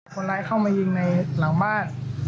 คนร้ายเข้ามายิงในหลังบ้าน